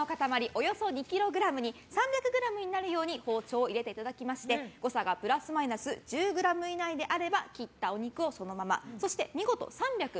およそ２ｋｇに３００ｇになるように包丁を入れていただきまして誤差がプラスマイナス１０ｇ以内であれば切ったお肉をそのままそして見事３００